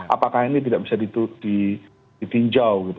apakah ini tidak bisa ditinjau gitu